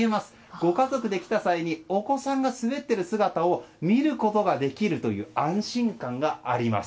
ご家族で来た際にお子さんが滑っている姿を見ることができるという安心感があります。